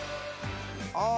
ああ。